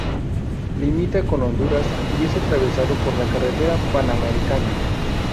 Limita con Honduras y es atravesado por la carretera Panamericana.